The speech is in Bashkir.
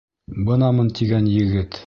Бынамын тигән егет!